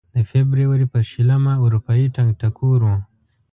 د فبروري په شلمه اروپايي ټنګ ټکور و.